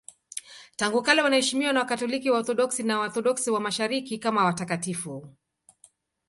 Tangu kale wanaheshimiwa na Wakatoliki, Waorthodoksi na Waorthodoksi wa Mashariki kama watakatifu.